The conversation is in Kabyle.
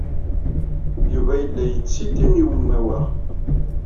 Yuba yella yettsiti i umawaɣ.